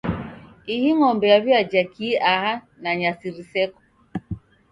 Ihi ng'ombe yaw'iaja kii aha, na nyasi riseko?